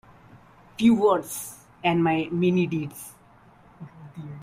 Few words and many deeds.